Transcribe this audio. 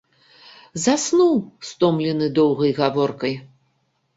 Заснуў, стомлены доўгай гаворкай.